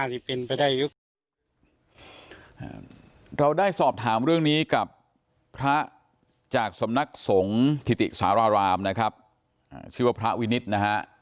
แต่ว่าลบลูกสำนักสงฆ์ทิติสารารามนะครับชื่อว่าพระวินิษฐ์นะฮะ